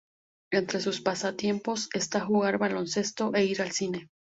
Entre sus pasatiempos está jugar baloncesto e ir al cine.